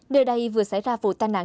đời đây vừa xảy ra vụ tai nạn